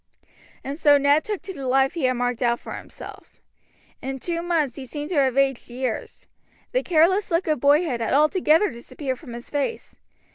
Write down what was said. And so Ned took to the life he had marked out for himself. In two months he seemed to have aged years. The careless look of boyhood had altogether disappeared from his face.